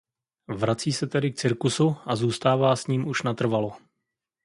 Vrací se tedy k cirkusu a zůstává s ním už natrvalo.